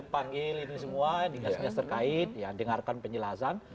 dipanggil ini semua dikasihnya terkait ya dengarkan penjelasan